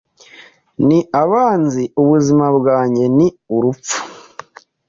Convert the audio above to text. ni abanzi ubuzima bwanjye ni urupfu